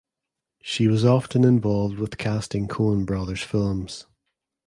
She was often involved with casting Coen brothers films.